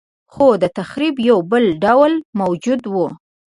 خو د تخریب یو بل ډول موجود و